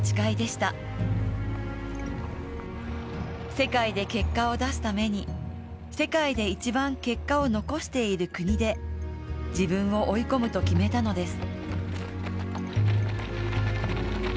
世界で結果を出すために世界で一番結果を残している国で自分を追い込むと決めたのです。